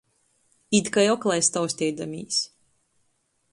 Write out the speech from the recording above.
Īt kai oklais tausteidamīs.